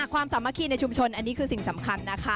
ความสามัคคีในชุมชนอันนี้คือสิ่งสำคัญนะคะ